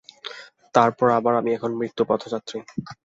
তারপর আবার, আমি এখন মৃত্যুপথযাত্রী।